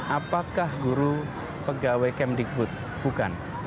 apakah guru pegawai kemdikbud bukan